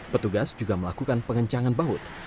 petugas juga melakukan pengencangan baut